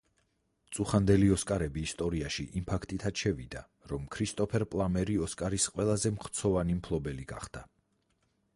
წუხანდელი ოსკარები ისტორიაში იმ ფაქტითაც შევიდა, რომ ქრისტოფერ პლამერი „ოსკარის“ ყველაზე მხცოვანი მფლობელი გახდა.